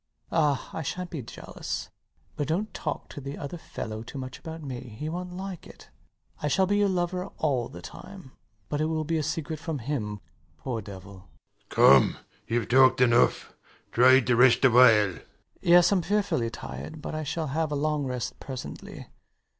Ah, I shant be jealous. [Slyly.] But dont talk to the other fellow too much about me: he wont like it. [Almost chuckling] I shall be your lover all the time; but it will be a secret from him, poor devil! SIR PATRICK. Come! youve talked enough. Try to rest awhile. LOUIS [wearily] Yes: I'm fearfully tired; but I shall have a long rest presently.